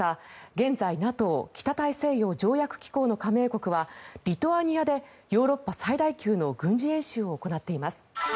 現在、ＮＡＴＯ・北大西洋条約機構の加盟国はリトアニアでヨーロッパ最大級の軍事演習を行っています。